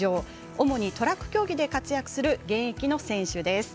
主にトラック競技で活躍する現役の選手です。